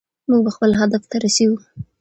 موږ به خپل هدف ته رسیږو.